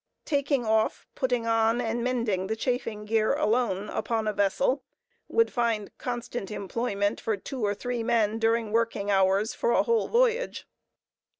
Taking off, putting on, and mending the chafing gear alone, upon a vessel, would find constant employment for two or three men, during working hours, for a whole voyage.